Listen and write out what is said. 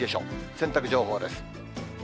洗濯情報です。